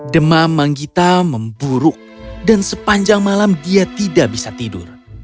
demam manggita memburuk dan sepanjang malam dia tidak bisa tidur